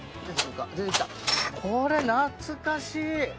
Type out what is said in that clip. これ懐かしい！